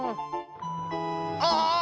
ああ！